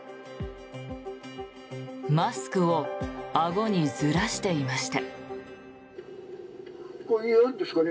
マスクをあごにずらしていました。